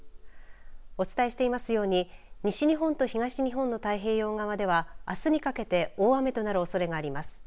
お伝えしていますように西日本と東日本の太平洋側ではあすにかけて大雨となるおそれがあります。